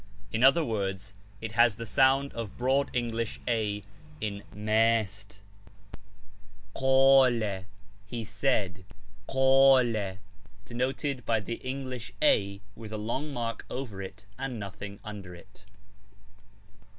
In other words it has the sound of broad English a in 'mast;' Jli kal, 'he said,' denoted by the English a with a long mark over it, and nothing under it.